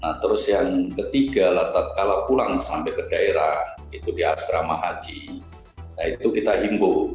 nah terus yang ketigalah setelah pulang sampai ke daerah itu di asrama haji nah itu kita himbau